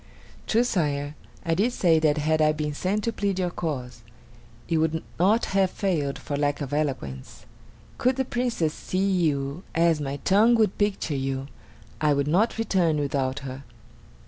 "True, Sire, I did say that had I been sent to plead your cause, it would not have failed for lack of eloquence. Could the Princess see you as my tongue would picture you, I would not return without her."